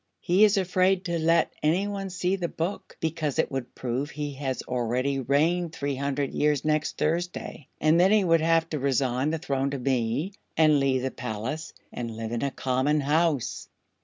"He is afraid to let anyone see the Book, because it would prove he has already reigned three hundred years next Thursday, and then he would have to resign the throne to me and leave the Palace and live in a common house."